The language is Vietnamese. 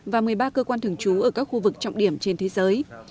và một mươi ba cơ quan thường trú ở các khu vực trọng điểm trên thế giới